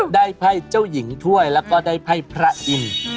ไพ่เจ้าหญิงถ้วยแล้วก็ได้ไพ่พระอินทร์